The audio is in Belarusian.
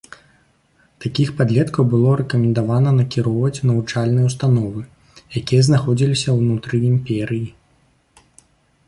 Такіх падлеткаў было рэкамендавана накіроўваць у навучальныя ўстановы, якія знаходзіліся ўнутры імперыі.